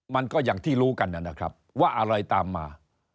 มันก็อย่างที่รู้กันนะครับว่าอะไรตามมา